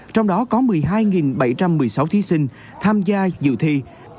trong đó có một mươi hai bảy trăm một mươi sáu thí sinh tham gia dự thi